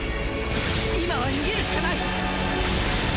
今は逃げるしかない！